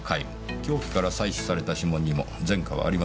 凶器から採取された指紋にも前科はありませんでした。